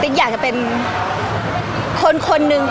พี่ตอบได้แค่นี้จริงค่ะ